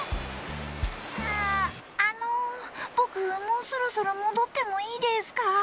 ああの僕もうそろそろ戻ってもいいですか？